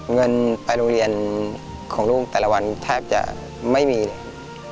เงินไปโรงเรียนของลูกแต่ละวันแทบจะไม่มีเลย